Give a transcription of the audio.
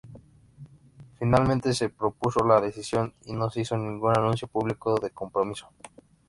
Finalmente se pospuso la decisión y no se hizo ningún anuncio público de compromiso.